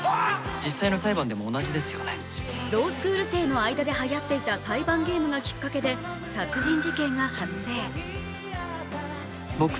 ロースクール生の間ではやっていた裁判ゲームがきっかけで殺人事件が発生。